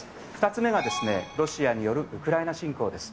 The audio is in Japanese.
２つ目がロシアによるウクライナ侵攻です。